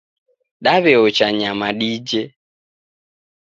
Daw'eocha nyama dije.